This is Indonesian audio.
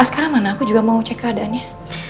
sekarang mana aku juga mau cek keadaannya